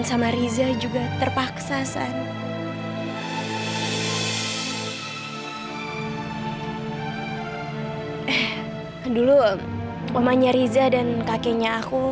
sampai jumpa di video selanjutnya